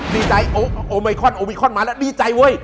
ดีใจโอไมคอนโอมิคอนมาแล้วดีใจเว้ย